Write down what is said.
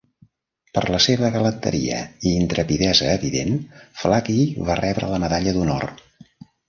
Per la seva galanteria i intrepidesa evident, Fluckey va rebre la medalla d'honor.